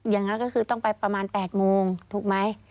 อย่างนั้นก็คือต้องไปประมาณ๘โมงถูกไหม